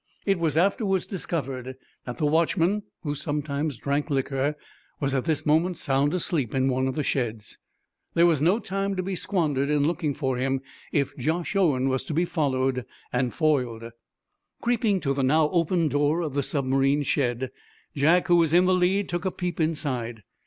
It was afterwards discovered that the watchman, who sometimes drank liquor, was at this moment sound asleep in one of the sheds. There was no time to be squandered in looking for him if Josh Owen was to be followed and foiled. Creeping to the now open door of the submarine's shed, Jack, who was in the lead, took a peep inside.